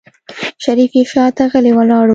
شريف يې شاته غلی ولاړ و.